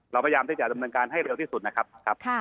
เราพยายามที่จะดำเนินการให้เร็วที่สุดนะครับ